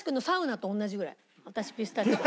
私ピスタチオ。